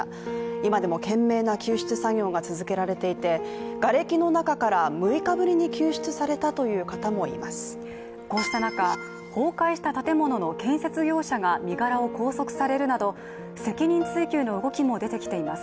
今でも懸命な救出作業が続けられていてがれきの中から６日ぶりに救出されたという方もいます。